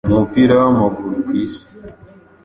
mu mupira w’amaguru ku Isi,